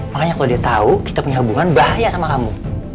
makanya kalau dia tahu kita punya hubungan bahaya sama kamu